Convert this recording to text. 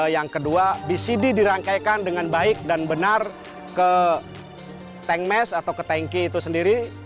yang kedua bcd dirangkaikan dengan baik dan benar ke tank mask atau ke tanki itu sendiri